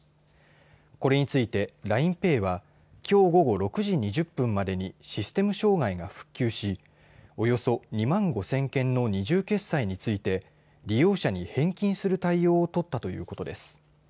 これについてＬＩＮＥＰａｙはきょう午後６時２０分までにシステム障害が復旧しおよそ２万５０００件の二重決済について利用者に返金する対応を取ったということです。